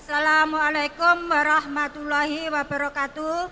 assalamu alaikum warahmatullahi wabarakatuh